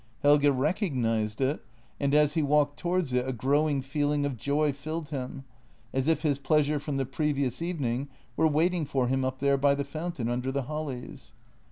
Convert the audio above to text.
Helge recognized it, and as he walked towards it, a growing feeling of joy filled him, as if his pleasure from the previous evening were waiting for him up there by the fountain under the hollies.